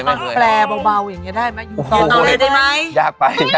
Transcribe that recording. แปลเบาอย่างนี้ได้ไหมอยู่ต่อไปได้ไหม